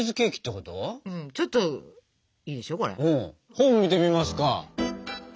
本見てみますか。